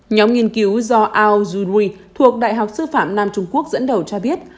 nhóm nghiên cứu do ao juri thuộc đại học sư phạm nam trung quốc dẫn đầu cho biết